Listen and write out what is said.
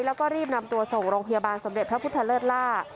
แล้วก็รีบนำตัวส่งโรงพยาบาลสมเด็จพระพุทธเลิศล่า